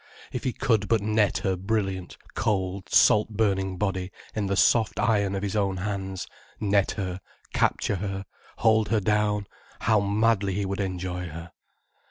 If he could but net her brilliant, cold, salt burning body in the soft iron of his own hands, net her, capture her, hold her down, how madly he would enjoy her.